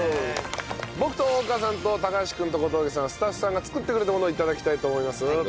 僕と大川さんと橋君と小峠さんはスタッフさんが作ってくれたものを頂きたいと思います。